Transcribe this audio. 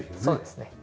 そうですね。